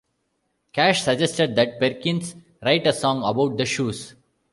Cash suggested that Perkins write a song about the shoes.